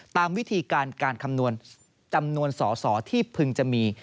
ตามวิธีการการคำนวณจำนวนสอสอที่พึงจะมี